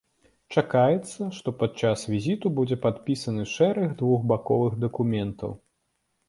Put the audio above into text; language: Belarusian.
Чакаецца, што падчас візіту будзе падпісаны шэраг двухбаковых дакументаў.